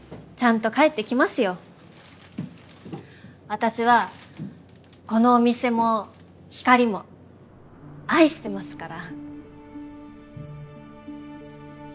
私はこのお店も光も愛してますから。